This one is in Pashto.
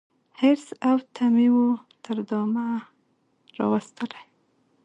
حرص او تمي وو تر دامه راوستلی